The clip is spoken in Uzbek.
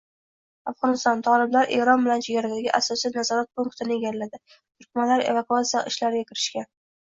Afg‘oniston: Toliblar Eron bilan chegaradagi asosiy nazorat punktini egalladi, turkmanlar evakuatsiya ishlariga kirishgan